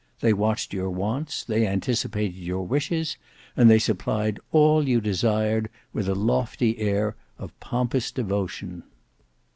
They watched your wants, they anticipated your wishes, and they supplied all you desired with a lofty air of pompous devotion.